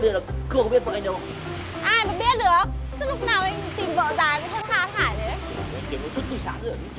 mà con vợ anh nó bị sao chứ